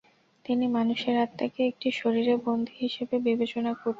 তিনি মানুষের আত্মাকে একটি শরীরে 'বন্দী' হিসেবে বিবেচনা করতেন।